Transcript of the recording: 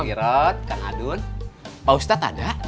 kak girod kak hadun pak ustadz ada